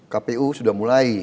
kpu sudah mulai